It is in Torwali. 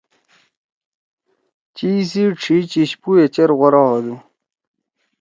چیِش سی ڇھی چیِش پو ئے چیر غورا ہودُو۔